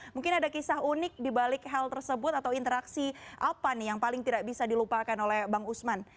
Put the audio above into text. mungkin ada kisah unik dibalik hal tersebut atau interaksi apa nih yang paling tidak bisa dilupakan oleh bang usman